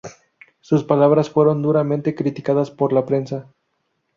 Sus palabras fueron duramente criticadas por la prensa.